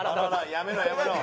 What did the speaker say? やめろやめろ。